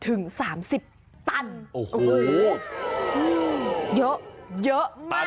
อืมเยอะเยอะมาก